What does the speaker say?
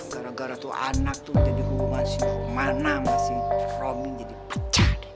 gara gara tuh anak tuh jadi hubungan si rumana sama si romin jadi pecah deh